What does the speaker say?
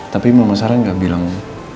tapi mama sarah nggak bilang